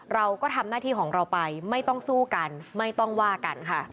เราก็ทำหน้าที่ของเราไปไม่ต้องสู้กันไม่ต้องว่ากันค่ะ